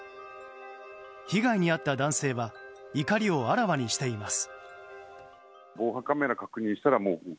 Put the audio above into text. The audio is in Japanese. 被害に遭った男性は怒りをあらわにしています。